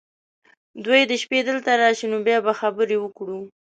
دوی دې شپې دلته راشي ، نو بیا به خبرې وکړو .